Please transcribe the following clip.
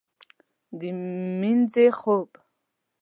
د مینځې خوب